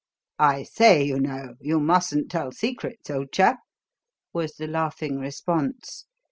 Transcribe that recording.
"I say, you know, you mustn't tell secrets, old chap!" was the laughing response.